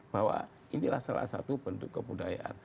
bahwa inilah salah satu bentuk kebudayaan